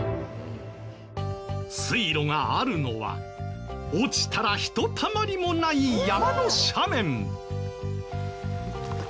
水路があるのは落ちたらひとたまりもない山の斜面。